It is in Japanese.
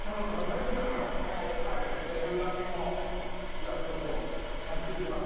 じゃあちょっと発注します。